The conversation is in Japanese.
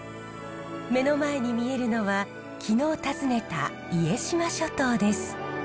目の前に見えるのは昨日訪ねた家島諸島です。